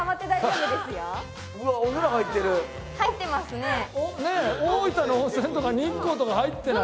ねえ大分の温泉とか日光とか入ってない？